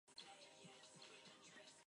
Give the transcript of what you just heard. They produce mictic and amictic eggs.